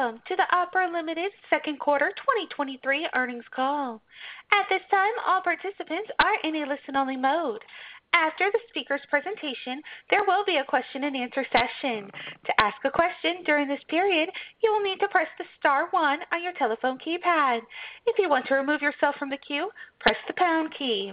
Welcome to the Opera Limited Second Quarter 2023 earnings call. At this time, all participants are in a listen-only mode. After the speaker's presentation, there will be a question-and-answer session. To ask a question during this period, you will need to press the star one on your telephone keypad. If you want to remove yourself from the queue, press the pound key.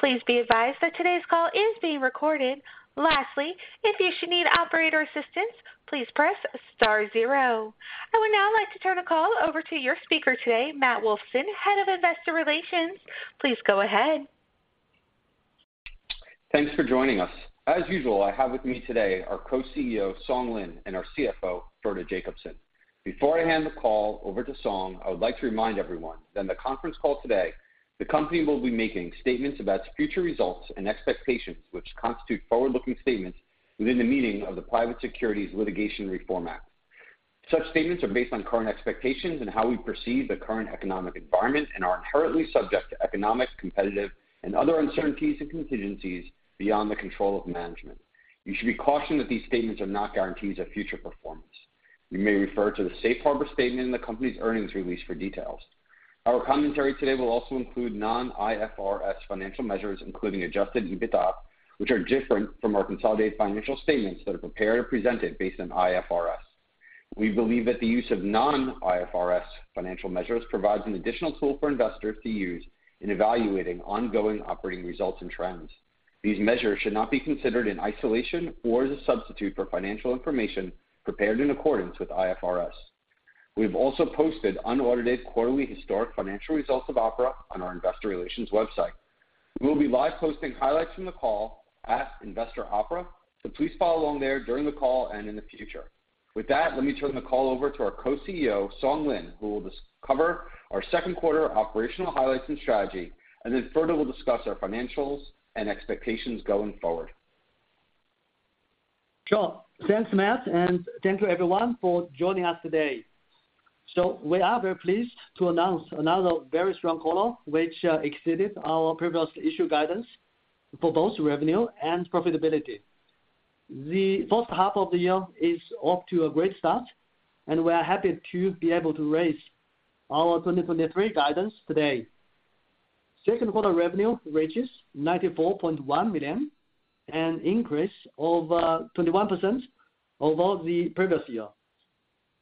Please be advised that today's call is being recorded. Lastly, if you should need operator assistance, please press star zero. I would now like to turn the call over to your speaker today, Matthew Wolfson, Head of Investor Relations. Please go ahead. Thanks for joining us. As usual, I have with me today our Co-CEO, Lin Song, and our CFO, Frode Jacobsen. Before I hand the call over to Song, I would like to remind everyone that in the conference call today, the company will be making statements about future results and expectations, which constitute forward-looking statements within the meaning of the Private Securities Litigation Reform Act. Such statements are based on current expectations and how we perceive the current economic environment and are inherently subject to economic, competitive, and other uncertainties and contingencies beyond the control of management. You should be cautioned that these statements are not guarantees of future performance. You may refer to the safe harbor statement in the company's earnings release for details. Our commentary today will also include non-IFRS financial measures, including adjusted EBITDA, which are different from our consolidated financial statements that are prepared or presented based on IFRS. We believe that the use of non-IFRS financial measures provides an additional tool for investors to use in evaluating ongoing operating results and trends. These measures should not be considered in isolation or as a substitute for financial information prepared in accordance with IFRS. We've also posted unaudited quarterly historic financial results of Opera on our investor relations website. We will be live posting highlights from the call at Investor Opera, so please follow along there during the call and in the future. With that, let me turn the call over to our Co-CEO, Lin Song, who will discuss our second quarter operational highlights and strategy, and then Frode will discuss our financials and expectations going forward. Sure. Thanks, Matt, and thank you, everyone, for joining us today. So we are very pleased to announce another very strong quarter, which exceeded our previous issued guidance for both revenue and profitability. The first half of the year is off to a great start, and we are happy to be able to raise our 2023 guidance today. Second quarter revenue reaches $94.1 million, an increase of 21% over the previous year.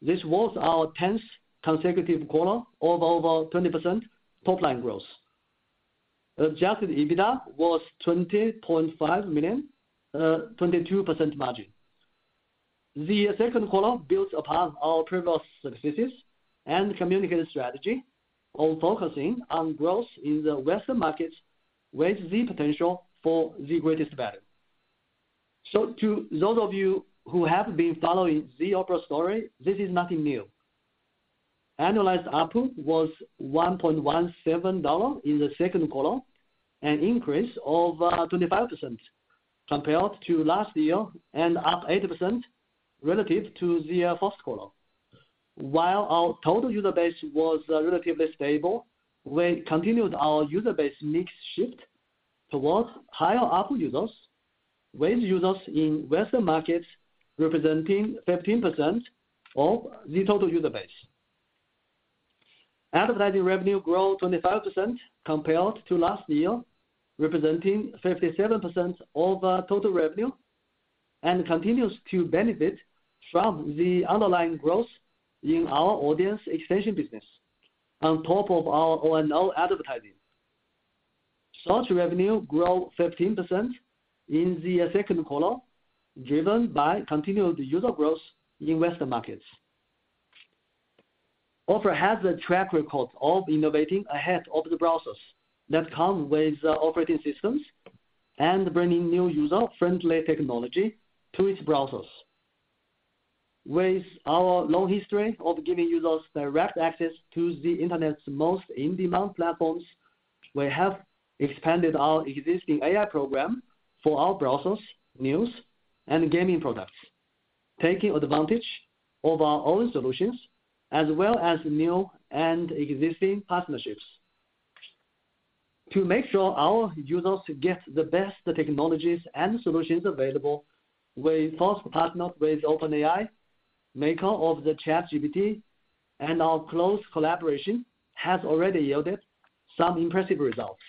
This was our 10th consecutive quarter of over 20% top-line growth. Adjusted EBITDA was $20.5 million, 22% margin. The second quarter builds upon our previous successes and communicated strategy on focusing on growth in the Western markets, with the potential for the greatest value. So to those of you who have been following the Opera story, this is nothing new. Annualized ARPU was $1.17 in the second quarter, an increase of 25% compared to last year and up 80% relative to the first quarter. While our total user base was relatively stable, we continued our user base mix shift towards higher ARPU users, with users in Western markets representing 15% of the total user base. Advertising revenue grew 25% compared to last year, representing 57% of total revenue, and continues to benefit from the underlying growth in our audience extension business on top of our O&O advertising. Search revenue grew 15% in the second quarter, driven by continued user growth in Western markets. Opera has a track record of innovating ahead of the browsers that come with operating systems and bringing new user-friendly technology to its browsers. With our long history of giving users direct access to the Internet's most in-demand platforms, we have expanded our existing AI program for our browsers, news, and gaming products, taking advantage of our own solutions as well as new and existing partnerships. To make sure our users get the best technologies and solutions available, we first partnered with OpenAI, maker of the ChatGPT, and our close collaboration has already yielded some impressive results.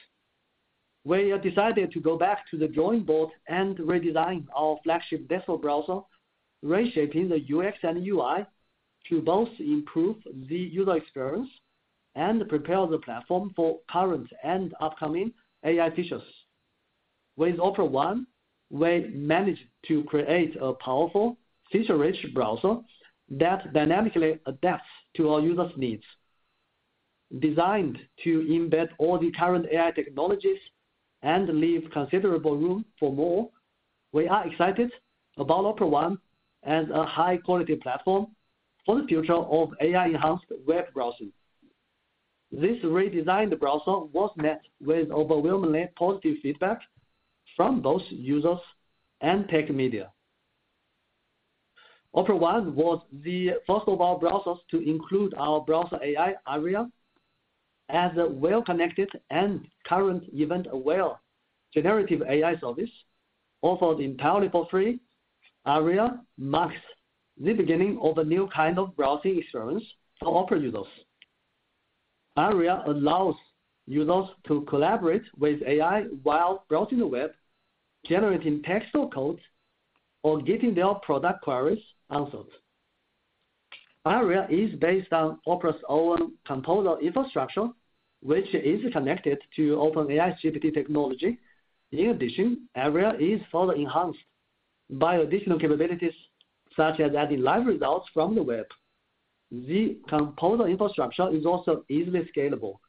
We have decided to go back to the drawing board and redesign our flagship desktop browser, reshaping the UX and UI to both improve the user experience and prepare the platform for current and upcoming AI features. With Opera One, we managed to create a powerful, feature-rich browser that dynamically adapts to our users' needs. Designed to embed all the current AI technologies and leave considerable room for more, we are excited about Opera One as a high-quality platform for the future of AI-enhanced web browsing. This redesigned browser was met with overwhelmingly positive feedback from both users and tech media. Opera One was the first of our browsers to include our browser AI, Aria. As a well-connected and current event-aware generative AI service offered entirely for free, Aria marks the beginning of a new kind of browsing experience for Opera users. Aria allows users to collaborate with AI while browsing the web, generating text or codes, or getting their product queries answered. Aria is based on Opera's own Composer infrastructure, which is connected to OpenAI's GPT technology. In addition, Aria is further enhanced by additional capabilities, such as adding live results from the web. The Composer infrastructure is also easily scalable.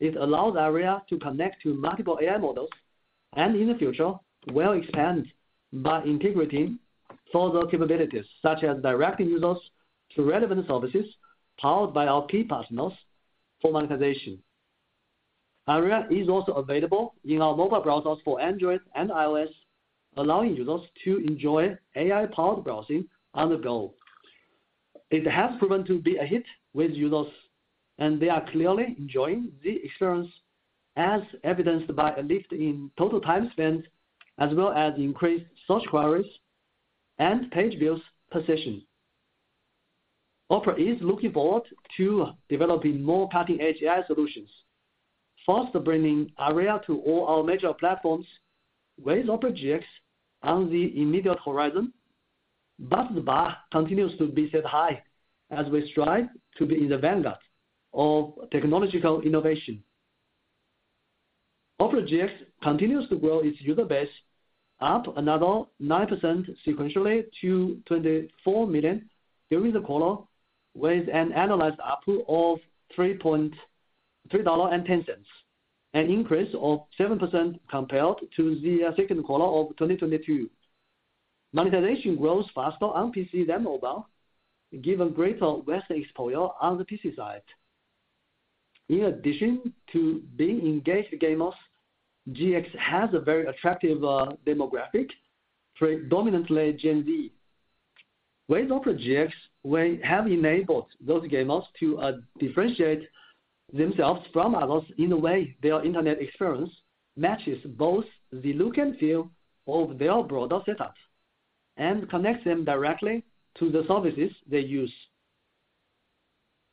It allows Aria to connect to multiple AI models, and in the future, will expand by integrating further capabilities, such as directing users to relevant services powered by our key partners for monetization. Aria is also available in our mobile browsers for Android and iOS, allowing users to enjoy AI-powered browsing on the go. It has proven to be a hit with users, and they are clearly enjoying the experience, as evidenced by a lift in total time spent, as well as increased search queries and page views per session. Opera is looking forward to developing more cutting-edge AI solutions, first bringing Aria to all our major platforms, with Opera GX on the immediate horizon. But the bar continues to be set high as we strive to be in the vanguard of technological innovation. Opera GX continues to grow its user base up another 9% sequentially to 24 million during the quarter, with an annualized ARPU of $3.40, an increase of 7% compared to the second quarter of 2022. Monetization grows faster on PC than mobile, given greater Western exposure on the PC side. In addition to being engaged gamers, GX has a very attractive demographic, predominantly Gen Z. With Opera GX, we have enabled those gamers to differentiate themselves from others in the way their internet experience matches both the look and feel of their broader setups and connects them directly to the services they use.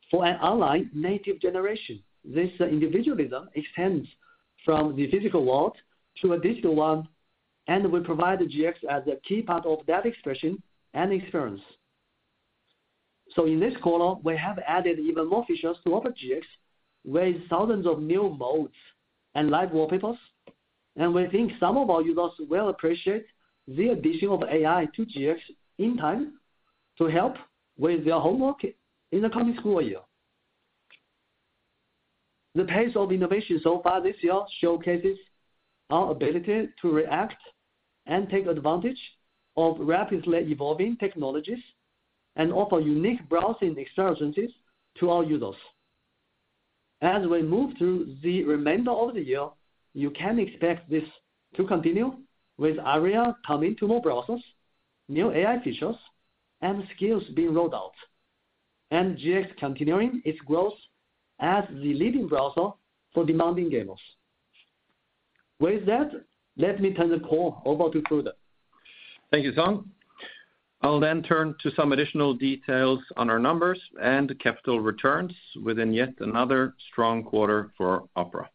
For an online native generation, this individualism extends from the physical world to a digital one, and we provide the GX as a key part of that expression and experience. So in this quarter, we have added even more features to Opera GX, with thousands of new Mods and live wallpapers. And we think some of our users will appreciate the addition of AI to GX in time to help with their homework in the coming school year. The pace of innovation so far this year showcases our ability to react and take advantage of rapidly evolving technologies and offer unique browsing experiences to our users. As we move through the remainder of the year, you can expect this to continue, with Aria coming to more browsers, new AI features, and skills being rolled out, and GX continuing its growth as the leading browser for demanding gamers. With that, let me turn the call over to Frode. Thank you, Song. I'll then turn to some additional details on our numbers and capital returns within yet another strong quarter for Opera.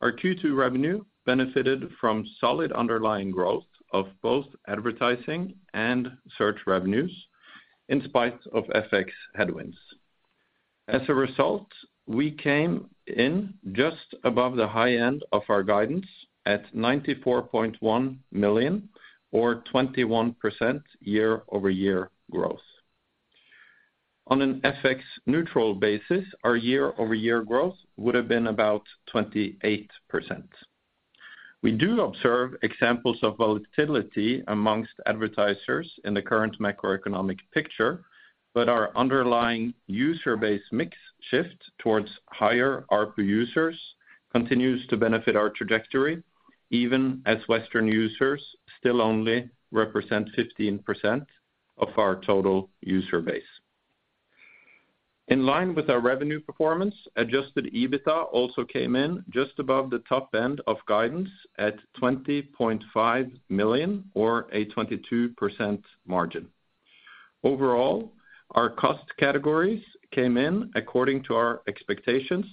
Our Q2 revenue benefited from solid underlying growth of both advertising and search revenues, in spite of FX headwinds. As a result, we came in just above the high end of our guidance at $94.1 million, or 21% year-over-year growth. On an FX neutral basis, our year-over-year growth would have been about 28%. We do observe examples of volatility among advertisers in the current macroeconomic picture, but our underlying user base mix shift towards higher ARPU users continues to benefit our trajectory, even as Western users still only represent 15% of our total user base. In line with our revenue performance, Adjusted EBITDA also came in just above the top end of guidance at $20.5 million, or a 22% margin. Overall, our cost categories came in according to our expectations,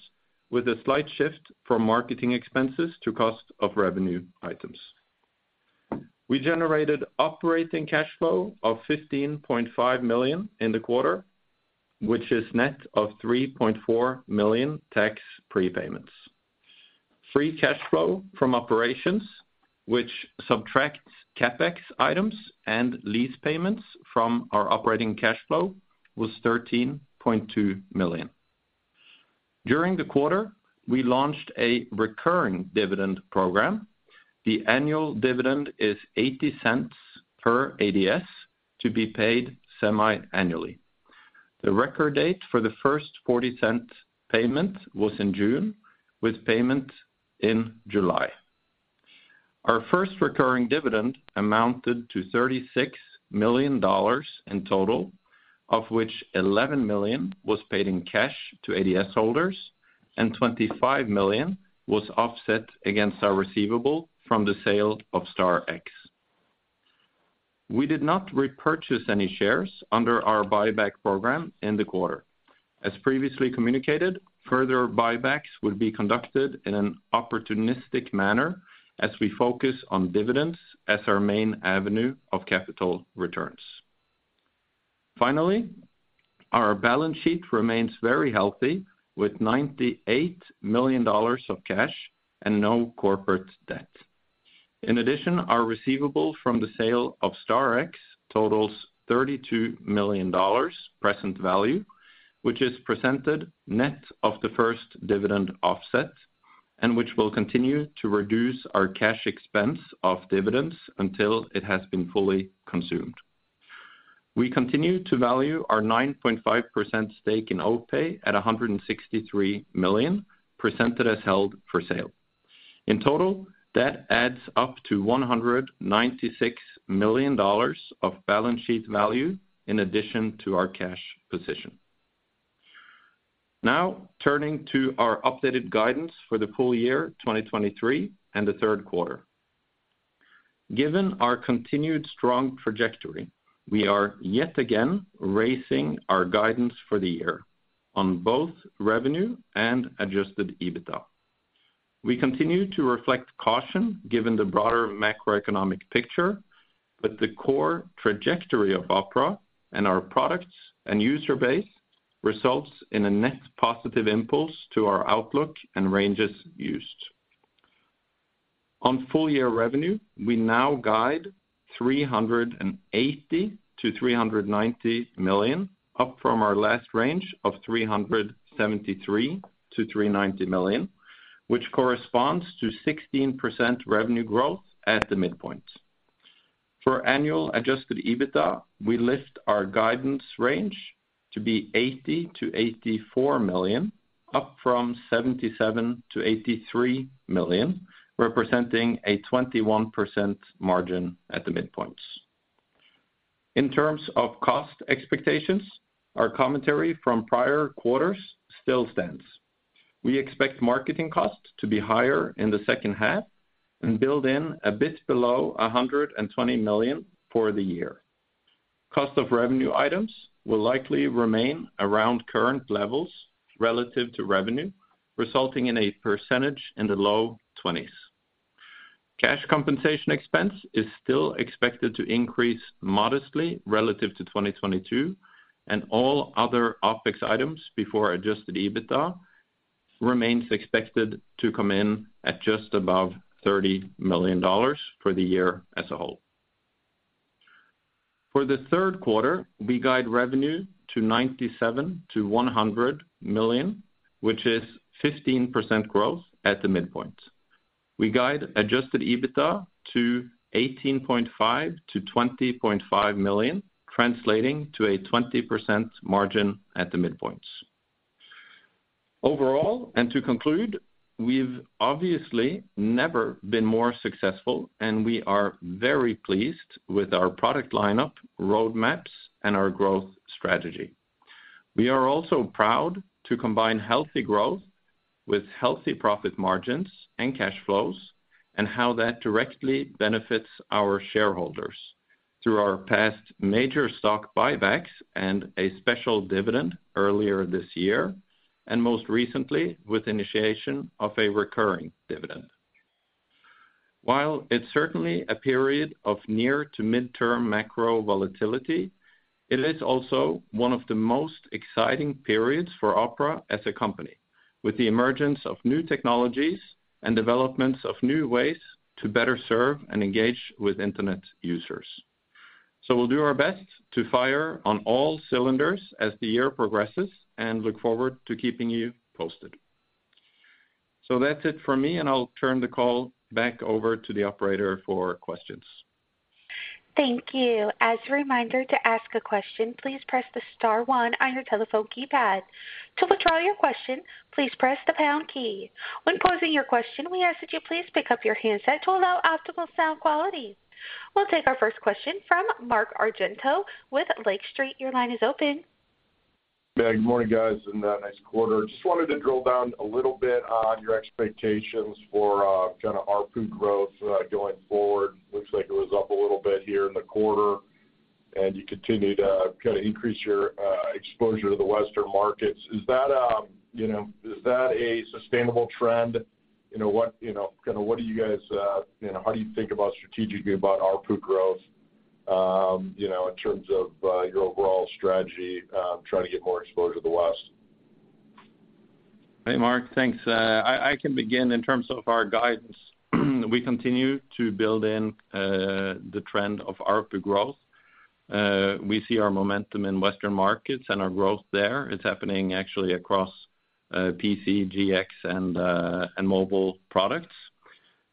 with a slight shift from marketing expenses to cost of revenue items. We generated operating cash flow of $15.5 million in the quarter, which is net of $3.4 million tax prepayments. Free cash flow from operations, which subtracts CapEx items and lease payments from our operating cash flow, was $13.2 million. During the quarter, we launched a recurring dividend program. The annual dividend is $0.80 per ADS to be paid semiannually. The record date for the first $0.40 payment was in June, with payment in July. Our first recurring dividend amounted to $36 million in total, of which $11 million was paid in cash to ADS holders and $25 million was offset against our receivable from the sale of StarX. We did not repurchase any shares under our buyback program in the quarter. As previously communicated, further buybacks will be conducted in an opportunistic manner as we focus on dividends as our main avenue of capital returns. Finally, our balance sheet remains very healthy, with $98 million of cash and no corporate debt. In addition, our receivable from the sale of StarX totals $32 million present value, which is presented net of the first dividend offset, and which will continue to reduce our cash expense of dividends until it has been fully consumed. We continue to value our 9.5% stake in Opera at $163 million, presented as held for sale. In total, that adds up to $196 million of balance sheet value in addition to our cash position. Now, turning to our updated guidance for the full year 2023 and the third quarter. Given our continued strong trajectory, we are yet again raising our guidance for the year on both revenue and adjusted EBITDA. We continue to reflect caution given the broader macroeconomic picture, but the core trajectory of Opera and our products and user base results in a net positive impulse to our outlook and ranges used. On full-year revenue, we now guide $380 million-$390 million, up from our last range of $373 million-$390 million, which corresponds to 16% revenue growth at the midpoint. For annual Adjusted EBITDA, we lift our guidance range to $80 million-$84 million, up from $77 million-$83 million, representing a 21% margin at the midpoint. In terms of cost expectations, our commentary from prior quarters still stands. We expect marketing costs to be higher in the second half and build in a bit below $120 million for the year. Cost of revenue items will likely remain around current levels relative to revenue, resulting in a percentage in the low 20s. Cash compensation expense is still expected to increase modestly relative to 2022, and all other OpEx items before Adjusted EBITDA remains expected to come in at just above $30 million for the year as a whole. For the third quarter, we guide revenue to $97 million-$100 million, which is 15% growth at the midpoint. We guide Adjusted EBITDA to $18.5 million-$20.5 million, translating to a 20% margin at the midpoint. Overall, and to conclude, we've obviously never been more successful, and we are very pleased with our product lineup, roadmaps, and our growth strategy. We are also proud to combine healthy growth with healthy profit margins and cash flows, and how that directly benefits our shareholders through our past major stock buybacks and a special dividend earlier this year, and most recently, with initiation of a recurring dividend. While it's certainly a period of near to midterm macro volatility, it is also one of the most exciting periods for Opera as a company, with the emergence of new technologies and developments of new ways to better serve and engage with internet users. We'll do our best to fire on all cylinders as the year progresses, and look forward to keeping you posted. That's it for me, and I'll turn the call back over to the operator for questions. Thank you. As a reminder to ask a question, please press the star one on your telephone keypad. To withdraw your question, please press the pound key. When posing your question, we ask that you please pick up your handset to allow optimal sound quality. We'll take our first question from Mark Argento with Lake Street. Your line is open. Yeah, good morning, guys, and nice quarter. Just wanted to drill down a little bit on your expectations for kind of ARPU growth going forward. Looks like it was up a little bit here in the quarter, and you continue to kind of increase your exposure to the Western markets. Is that, you know, is that a sustainable trend? You know what, you know, kind of what do you guys, you know, how do you think about strategically about ARPU growth, you know, in terms of your overall strategy, trying to get more exposure to the West? Hey, Mark, thanks. I can begin in terms of our guidance. We continue to build in the trend of ARPU growth. We see our momentum in Western markets and our growth there. It's happening actually across PC, GX, and mobile products.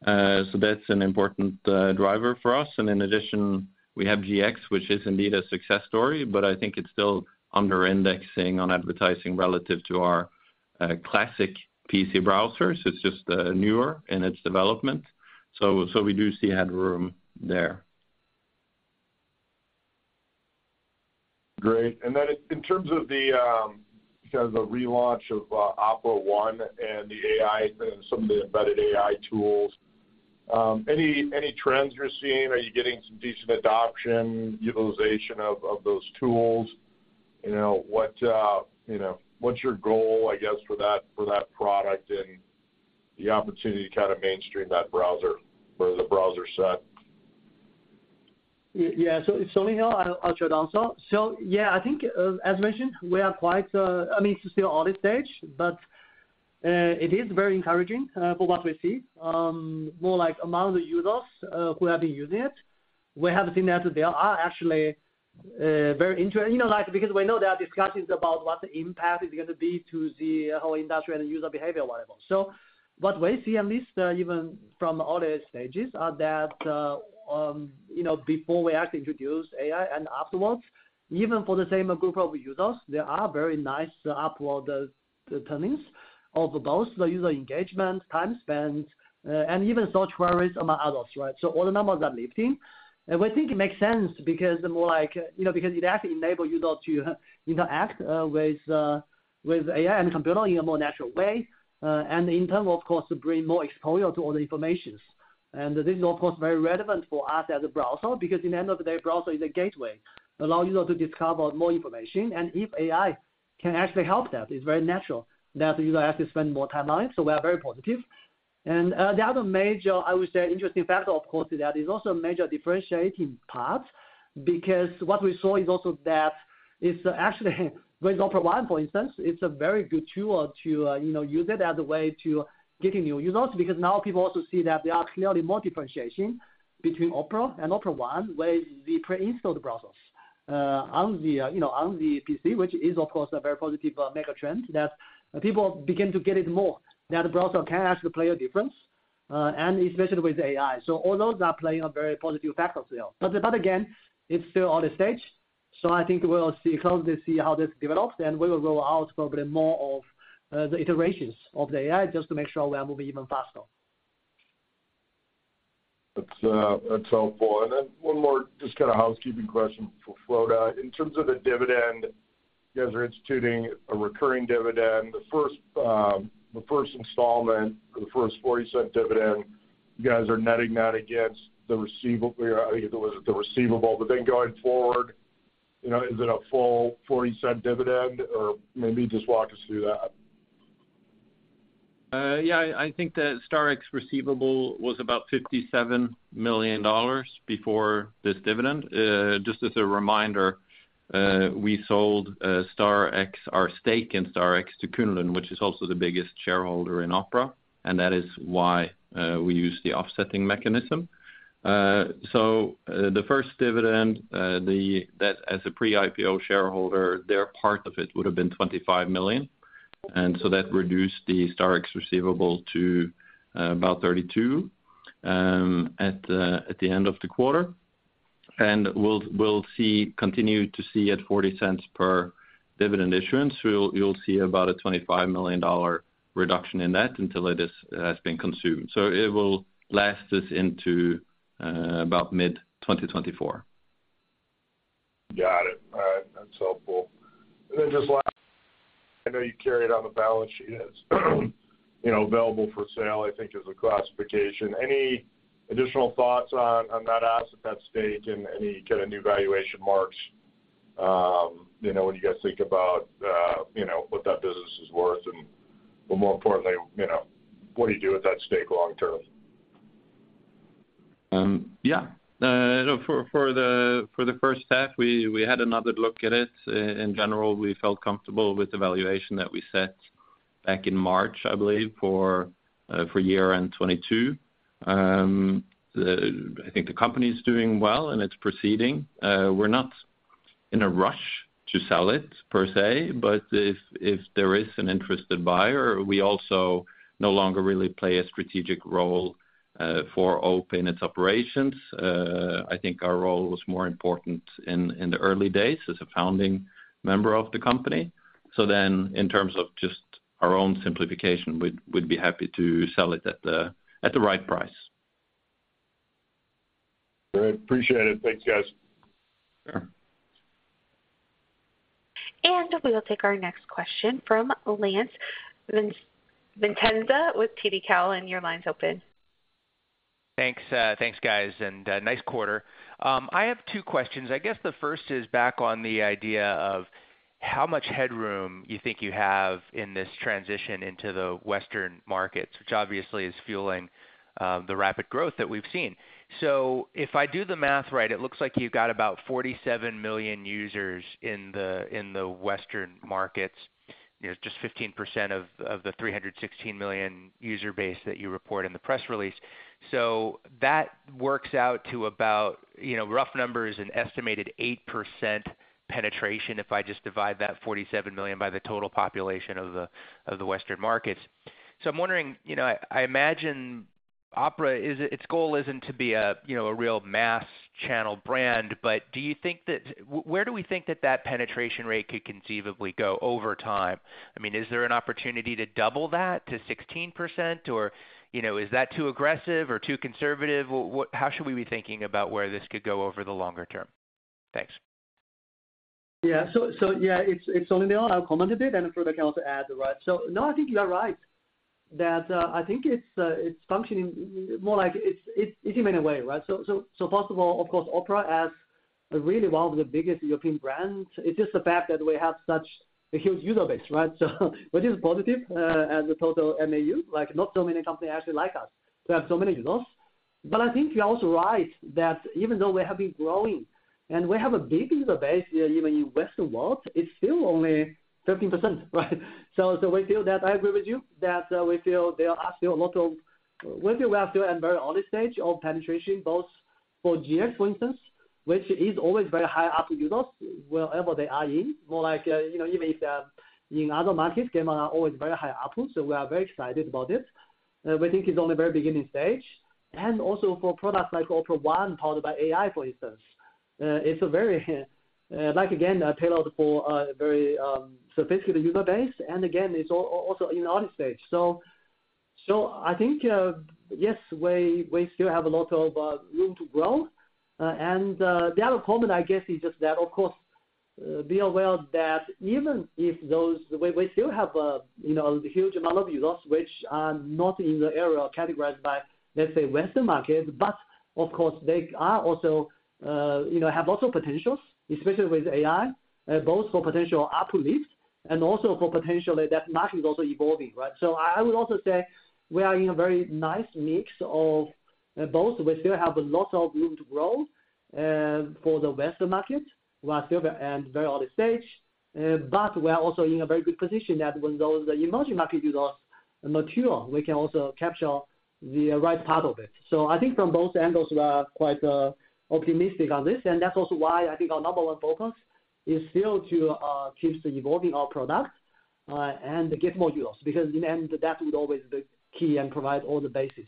So that's an important driver for us. And in addition, we have GX, which is indeed a success story, but I think it's still under indexing on advertising relative to our classic PC browsers. It's just newer in its development. So we do see headroom there. Great. And then in terms of the kind of the relaunch of Opera One and the AI and some of the embedded AI tools, any trends you're seeing? Are you getting some decent adoption, utilization of those tools? You know, what you know, what's your goal, I guess, for that, for that product and the opportunity to kind of mainstream that browser for the browser set? Yeah, so it's Song here. I'll chime in also. So yeah, I think, as mentioned, we are quite... I mean, it's still early stage, but it is very encouraging for what we see. More like among the users who have been using it, we have seen that there are actually very interested. You know, like, because we know there are discussions about what the impact is going to be to the whole industry and the user behavior level. So what we see, at least, even from early stages, are that, you know, before we actually introduced AI and afterwards, even for the same group of users, there are very nice upward turnings of both the user engagement, time spent, and even search queries among others, right? So all the numbers are lifting. We think it makes sense because the more like, you know, because it actually enable users to interact with AI and computer in a more natural way, and in turn, of course, bring more exposure to all the informations. This is, of course, very relevant for us as a browser, because in the end of the day, browser is a gateway, allow user to discover more information. If AI can actually help that, it's very natural that the user have to spend more time on it. So we are very positive. The other major, I would say, interesting factor, of course, is that is also a major differentiating path, because what we saw is also that is actually, with Opera One, for instance, it's a very good tool to, you know, use it as a way to getting new users, because now people also see that there are clearly more differentiation between Opera and Opera One, with the preinstalled browsers, on the, you know, on the PC, which is, of course, a very positive megatrend, that people begin to get it more, that the browser can actually play a difference, and especially with AI. So all those are playing a very positive factor there. But again, it's still early stage, so I think we'll see closely how this develops, and we will roll out probably more of the iterations of the AI just to make sure we are moving even faster. That's, that's helpful. And then one more just kind of housekeeping question for Frode. In terms of the dividend, you guys are instituting a recurring dividend. The first installment or the first $0.40 dividend, you guys are netting that against the receivable, or I think it was the receivable. But then going forward, you know, is it a full $0.40 dividend? Or maybe just walk us through that. Yeah, I think the StarX receivable was about $57 million before this dividend. Just as a reminder, we sold StarX, our stake in StarX to Kunlun, which is also the biggest shareholder in Opera, and that is why we use the offsetting mechanism. So, the first dividend, that as a pre-IPO shareholder, their part of it would have been $25 million, and so that reduced the StarX receivable to about $32 million at the end of the quarter. And we'll continue to see at $0.40 per dividend issuance. You'll see about a $25 million reduction in that until it is consumed. So it will last us into about mid-2024. Got it. All right. That's helpful. And then just last, I know you carried on the balance sheet as, you know, available for sale, I think is the classification. Any additional thoughts on that asset, that stake, and any kind of new valuation marks, you know, when you guys think about, you know, what that business is worth? But more importantly, you know, what do you do with that stake long term? Yeah. So for the first half, we had another look at it. In general, we felt comfortable with the valuation that we set back in March, I believe, for year-end 2022. I think the company is doing well and it's proceeding. We're not in a rush to sell it per se, but if there is an interested buyer, we also no longer really play a strategic role for Opera and its operations. I think our role was more important in the early days as a founding member of the company. So then in terms of just our own simplification, we'd be happy to sell it at the right price. Great. Appreciate it. Thanks, guys. Sure. We will take our next question from Lance Vitanza with TD Cowen. Your line's open. Thanks, thanks, guys, and nice quarter. I have two questions. I guess the first is back on the idea of how much headroom you think you have in this transition into the Western markets, which obviously is fueling the rapid growth that we've seen. So if I do the math right, it looks like you've got about 47 million users in the Western markets, you know, just 15% of the 316 million user base that you report in the press release. So that works out to about, you know, rough numbers, an estimated 8% penetration, if I just divide that 47 million by the total population of the Western markets. So I'm wondering, you know, I imagine-... Opera, is it, its goal isn't to be a, you know, a real mass channel brand, but do you think that-where do we think that that penetration rate could conceivably go over time? I mean, is there an opportunity to double that to 16%, or, you know, is that too aggressive or too conservative? What-how should we be thinking about where this could go over the longer term? Thanks. Yeah. So, so yeah, it's, it's only there. I'll comment a bit, and further I can also add, right? So no, I think you are right, that, I think it's, it's functioning more like it's, it's in many way, right? So, so, so first of all, of course, Opera as really one of the biggest European brands, it's just the fact that we have such a huge user base, right? So which is positive, as a total MAU, like, not so many companies actually like us. We have so many users. But I think you're also right, that even though we have been growing and we have a big user base, even in Western world, it's still only 13%, right? So, we feel that I agree with you, that, we feel we are still at very early stage of penetration, both for GX, for instance, which is always very high ARPU users, wherever they are in. More like, you know, even if, in other markets, game are always very high ARPU, so we are very excited about it. We think it's only very beginning stage. And also for products like Opera One, powered by AI, for instance. It's a very, like, again, a tailored for a very, sophisticated user base, and again, it's also in early stage. So, I think, yes, we still have a lot of, room to grow. And, the other comment, I guess, is just that, of course, be aware that even if those... We still have a, you know, huge amount of users which are not in the area or categorized by, let's say, Western market, but of course, they are also, you know, have also potentials, especially with AI, both for potential ARPU lift and also for potentially that market is also evolving, right? So I would also say we are in a very nice mix of both. We still have a lot of room to grow for the Western market. We are still at a very early stage, but we are also in a very good position that when those emerging market users mature, we can also capture the right part of it. So I think from both angles, we are quite optimistic on this, and that's also why I think our number one focus is still to keeps the evolving our product and get more users, because in the end, that would always be key and provide all the basis.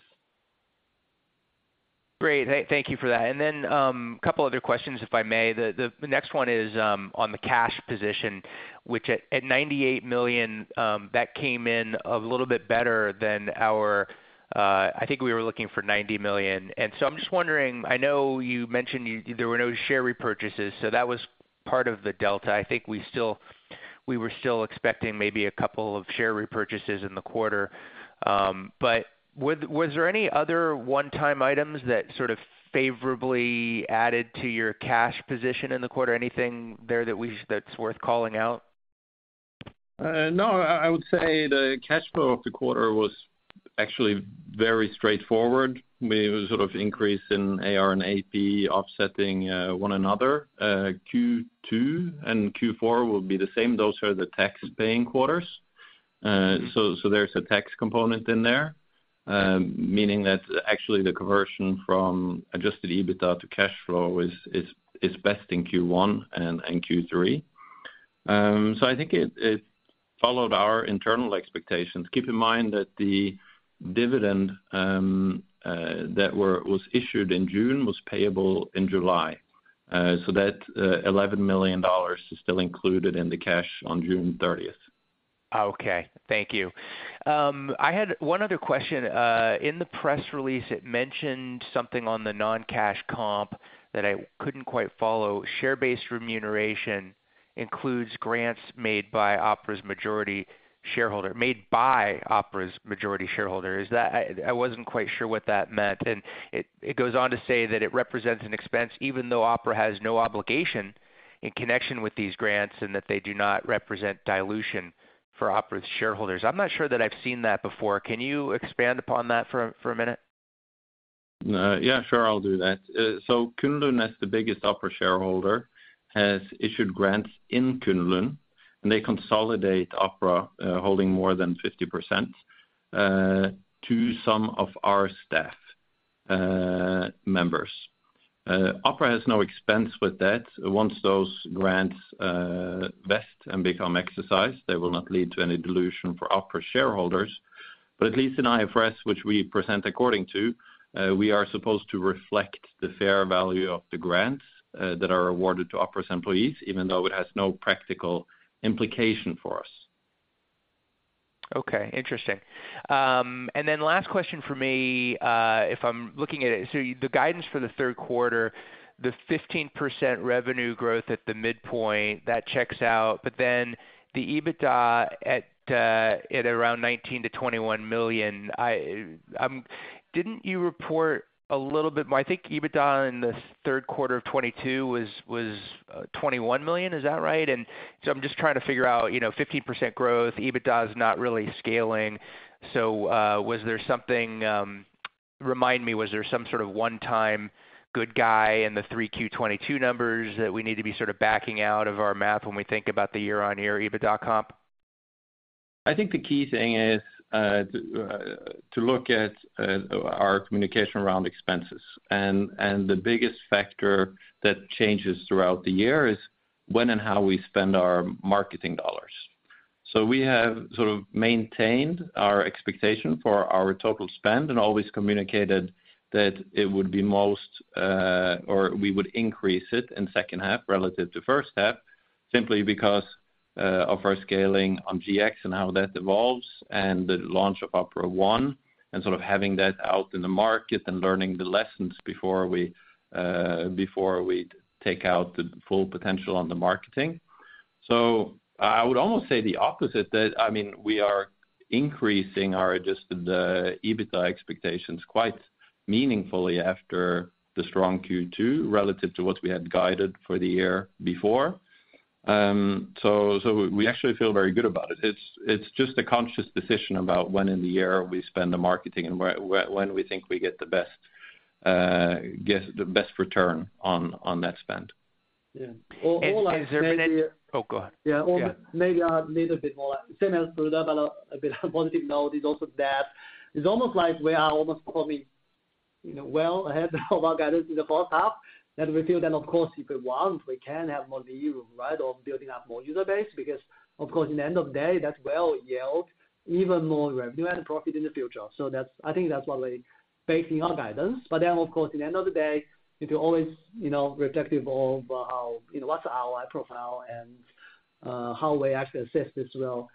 Great, thank, thank you for that. And then, couple other questions, if I may. The next one is on the cash position, which at $98 million, that came in a little bit better than our... I think we were looking for $90 million. And so I'm just wondering, I know you mentioned you, there were no share repurchases, so that was part of the delta. I think we still-- we were still expecting maybe a couple of share repurchases in the quarter. But was there any other one-time items that sort of favorably added to your cash position in the quarter? Anything there that we-- that's worth calling out? No. I would say the cash flow of the quarter was actually very straightforward. There was sort of increase in AR and AP offsetting one another. Q2 and Q4 will be the same. Those are the tax-paying quarters. So there's a tax component in there, meaning that actually the conversion from Adjusted EBITDA to cash flow is best in Q1 and Q3. So I think it followed our internal expectations. Keep in mind that the dividend that was issued in June was payable in July. So that $11 million is still included in the cash on June thirtieth. Okay, thank you. I had one other question. In the press release, it mentioned something on the non-cash comp that I couldn't quite follow. Share-based remuneration includes grants made by Opera's majority shareholder. I wasn't quite sure what that meant. And it goes on to say that it represents an expense, even though Opera has no obligation in connection with these grants, and that they do not represent dilution for Opera's shareholders. I'm not sure that I've seen that before. Can you expand upon that for a minute? Yeah, sure, I'll do that. So Kunlun, as the biggest Opera shareholder, has issued grants in Kunlun, and they consolidate Opera, holding more than 50%, to some of our staff members. Opera has no expense with that. Once those grants vest and become exercised, they will not lead to any dilution for Opera shareholders. But at least in IFRS, which we present according to, we are supposed to reflect the fair value of the grants that are awarded to Opera's employees, even though it has no practical implication for us. Okay, interesting. And then last question for me, if I'm looking at it, so the guidance for the third quarter, the 15% revenue growth at the midpoint, that checks out, but then the EBITDA at around $19 million-$21 million, I'm-- Didn't you report a little bit more? I think EBITDA in the third quarter of 2022 was $21 million. Is that right? And so I'm just trying to figure out, you know, 15% growth, EBITDA is not really scaling. So, was there something... Remind me, was there some sort of one-time good guy in the Q3 2022 numbers that we need to be sort of backing out of our math when we think about the year-on-year EBITDA comp? I think the key thing is to look at our communication around expenses. The biggest factor that changes throughout the year is when and how we spend our marketing dollars. So we have sort of maintained our expectation for our total spend and always communicated that it would be most or we would increase it in second half relative to first half, simply because of our scaling on GX and how that evolves and the launch of Opera One, and sort of having that out in the market and learning the lessons before we before we take out the full potential on the marketing. So I would almost say the opposite, that, I mean, we are increasing our adjusted EBITDA expectations quite meaningfully after the strong Q2 relative to what we had guided for the year before. So, we actually feel very good about it. It's just a conscious decision about when in the year we spend the marketing and when we think we get the best return on that spend. Yeah. All I said here- Oh, go ahead. Yeah. Yeah. Maybe a little bit more, same as Frode, but a bit on a positive note is also that it's almost like we are almost coming, you know, well ahead of our guidance in the first half, that we feel that, of course, if we want, we can have more view, right? Of building up more user base, because, of course, in the end of the day, that well yield even more revenue and profit in the future. So that's. I think that's what we basing our guidance. But then, of course, in the end of the day, you could always, you know, reflective of how, you know, what's our profile and how we actually assess this will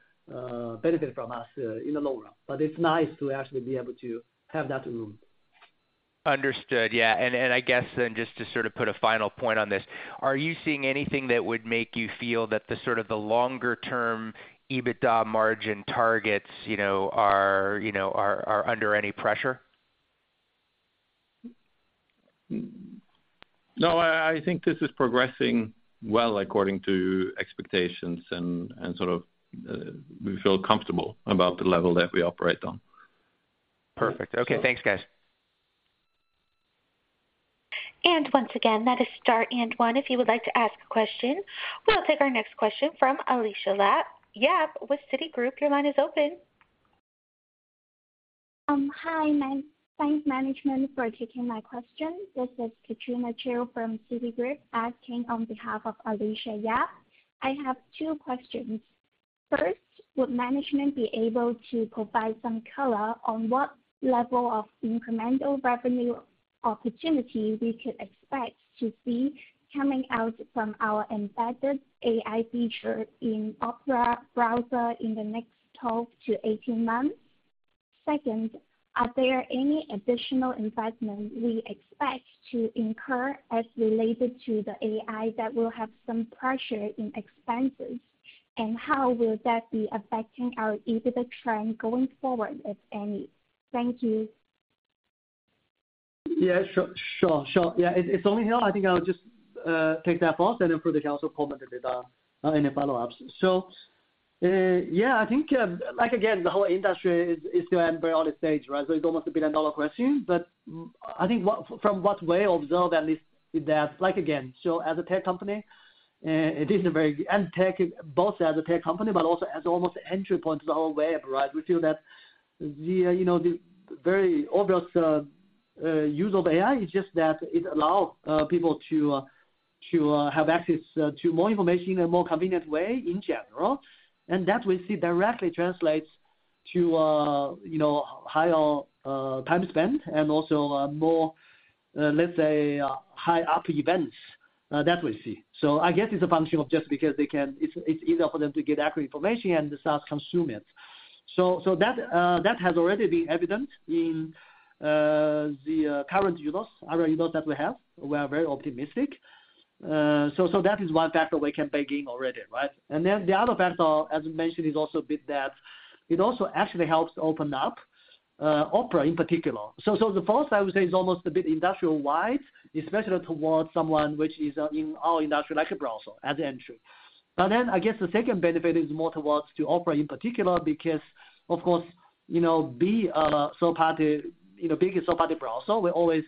benefit from us in the long run. But it's nice to actually be able to have that room. Understood. Yeah, and I guess then just to sort of put a final point on this, are you seeing anything that would make you feel that the sort of the longer-term EBITDA margin targets, you know, are under any pressure? No, I think this is progressing well according to expectations, and sort of, we feel comfortable about the level that we operate on. Perfect. Okay. Thanks, guys. Once again, that is star and one, if you would like to ask a question. We'll take our next question from Alicia Yap with Citigroup. Your line is open. Hi, thanks, management, for taking my question. This is Katrina Chiu from Citigroup, asking on behalf of Alicia Yap. I have two questions. First, would management be able to provide some color on what level of incremental revenue opportunity we could expect to see coming out from our embedded AI feature in Opera browser in the next 12-18 months? Second, are there any additional investment we expect to incur as related to the AI that will have some pressure in expenses? And how will that be affecting our EBITDA trend going forward, if any? Thank you. Yeah, sure, sure, sure. Yeah, it's only here. I think I'll just take that first, and then Frode can also comment on it, any follow-ups. So, yeah, I think, like, again, the whole industry is still in very early stage, right? So it's almost a billion dollar question, but I think what—from what we observe, at least with that, like, again, so as a tech company, it is a very... And tech, both as a tech company, but also as almost an entry point to the whole web, right? We feel that the, you know, the very obvious use of AI is just that it allow people to have access to more information in a more convenient way in general. And that we see directly translates to, you know, higher time spent and also more, let's say, high up events that we see. So I guess it's a function of just because they can. It's easier for them to get accurate information and start consume it. So that has already been evident in the current users, our users that we have. We are very optimistic. So that is one factor we can bake in already, right? And then the other factor, as you mentioned, is also a bit that it also actually helps open up Opera in particular. So the first, I would say, is almost a bit industry-wide, especially towards someone which is in our industry, like a browser as an entry. But then I guess the second benefit is more towards to Opera in particular, because of course, you know, be a third party, you know, being a third party browser, we're always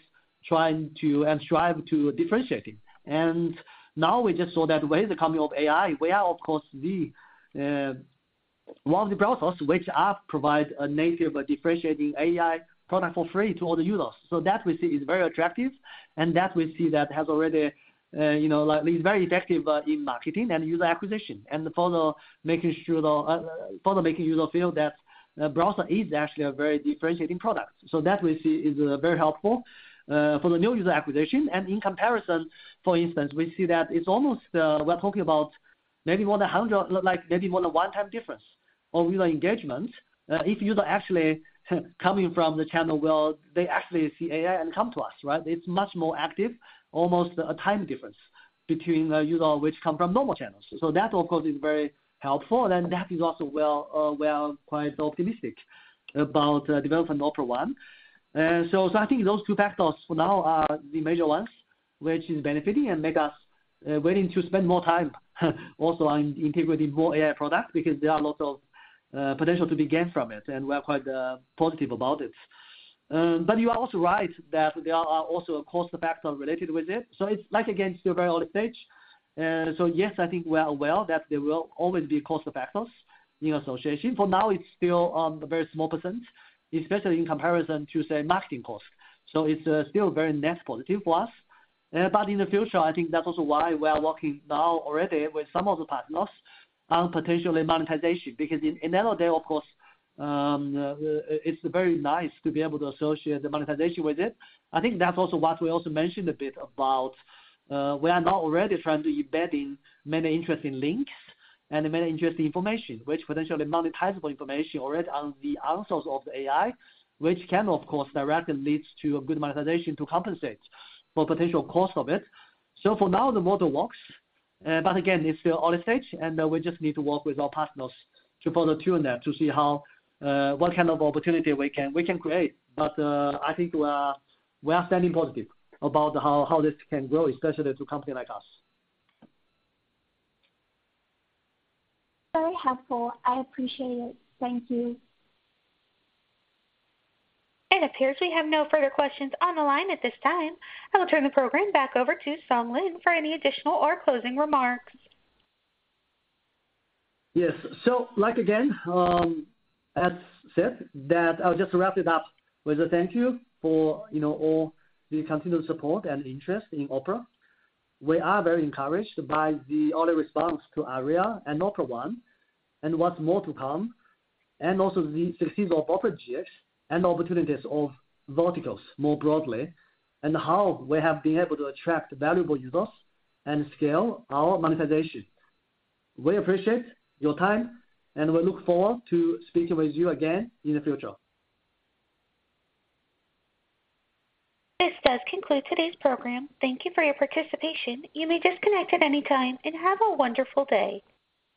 trying to and strive to differentiate it. And now we just saw that with the coming of AI, we are of course, the, one of the browsers which are provide a native but differentiating AI product for free to all the users. So that we see is very attractive, and that we see that has already, you know, like, is very effective, in marketing and user acquisition, and for making sure the, for making user feel that the browser is actually a very differentiating product. So that we see is, very helpful, for the new user acquisition. In comparison, for instance, we see that it's almost, we're talking about maybe more than 100, like, maybe more than one time difference on user engagement. If user actually coming from the channel, where they actually see AI and come to us, right? It's much more active, almost a time difference between a user which come from normal channels. So that, of course, is very helpful, and that is also well, well, quite optimistic about the development of Opera One. So, so I think those two factors for now are the major ones, which is benefiting and make us, willing to spend more time, also on integrating more AI products, because there are a lot of, potential to be gained from it, and we are quite, positive about it. But you are also right that there are also a cost factor related with it. So it's like, again, still very early stage. So yes, I think we are aware that there will always be cost factors in association. For now, it's still a very small percent, especially in comparison to, say, marketing costs. So it's still very net positive for us. But in the future, I think that's also why we are working now already with some of the partners on potentially monetization, because on the other hand, of course, it's very nice to be able to associate the monetization with it. I think that's also what we also mentioned a bit about. We are now already trying to embed many interesting links and many interesting information, which potentially monetizable information already on the answers of the AI, which can, of course, directly leads to a good monetization to compensate for potential cost of it. So for now, the model works, but again, it's still early stage, and we just need to work with our partners to fine-tune that, to see how what kind of opportunity we can, we can create. But I think we are, we are standing positive about how, how this can grow, especially to a company like us. Very helpful. I appreciate it. Thank you. It appears we have no further questions on the line at this time. I will turn the program back over to Lin Song for any additional or closing remarks. Yes. So like, again, as said, that I'll just wrap it up with a thank you for, you know, all the continued support and interest in Opera. We are very encouraged by the early response to Aria and Opera One and what's more to come, and also the success of Opera GX and opportunities of verticals more broadly, and how we have been able to attract valuable users and scale our monetization. We appreciate your time, and we look forward to speaking with you again in the future. This does conclude today's program. Thank you for your participation. You may disconnect at any time, and have a wonderful day!